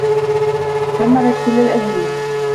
دمرت كل الأدلة.